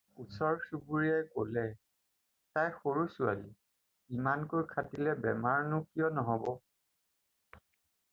ওচৰ-চুবুৰীয়াই ক'লে- "তাই সৰু ছোৱালী, ইমানকৈ খাটিলে বেমাৰ নো কিয় নহ'ব।"